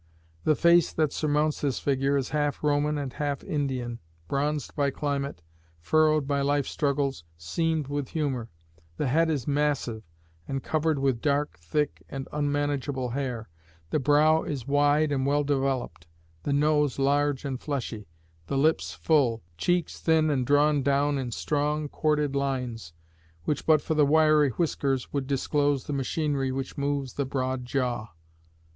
The face that surmounts this figure is half Roman and half Indian, bronzed by climate, furrowed by life struggles, seamed with humor; the head is massive and covered with dark, thick, and unmanageable hair; the brow is wide and well developed, the nose large and fleshy, the lips full, cheeks thin and drawn down in strong, corded lines, which, but for the wiry whiskers, would disclose the machinery which moves the broad jaw.